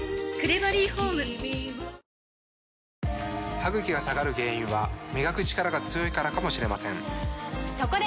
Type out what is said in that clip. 歯ぐきが下がる原因は磨くチカラが強いからかもしれませんそこで！